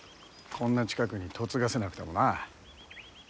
こんな近くに嫁がせなくてもな。